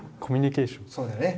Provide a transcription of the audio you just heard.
そうだね。